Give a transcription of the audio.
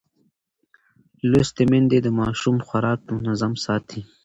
لوستې میندې د ماشوم خوراک منظم ساتي.